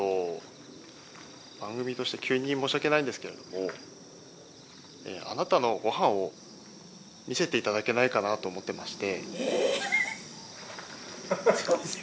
番組として急に申し訳ないんですけどもあなたのご飯を見せていただけないかなと思ってまして。